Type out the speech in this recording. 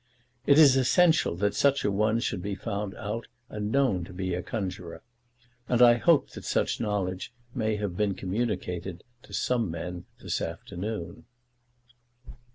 It is essential that such a one should be found out and known to be a conjuror, and I hope that such knowledge may have been communicated to some men this afternoon."